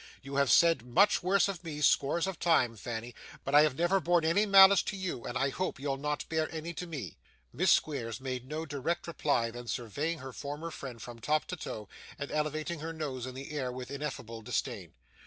You have said much worse of me, scores of times, Fanny; but I have never borne any malice to you, and I hope you'll not bear any to me.' Miss Squeers made no more direct reply than surveying her former friend from top to toe, and elevating her nose in the air with ineffable disdain.